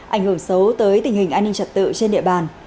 ảnh hưởng xấu tới tình hình an ninh trật tự trên địa bàn